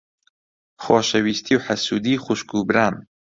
خۆشەویستی و حەسوودی خوشک و بران.